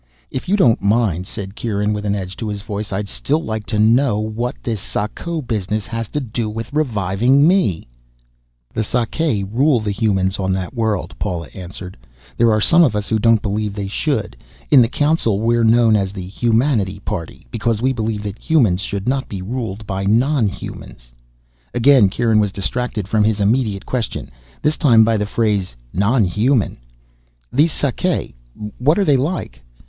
"If you don't mind," said Kieran, with an edge to his voice, "I'd still like to know what this Sako business has to do with reviving me." "The Sakae rule the humans on that world," Paula answered. "There are some of us who don't believe they should. In the Council, we're known as the Humanity Party, because we believe that humans should not be ruled by non humans." Again, Kieran was distracted from his immediate question this time by the phrase "Non human". "These Sakae what are they like?"